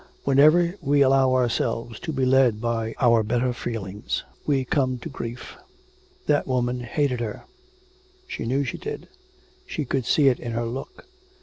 Whenever we allow ourselves to be led by our better feelings we come to grief. That woman hated her; she knew she did. She could see it in her look.